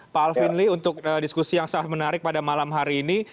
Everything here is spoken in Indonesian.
pak alvin lee untuk diskusi yang sangat menarik pada malam hari ini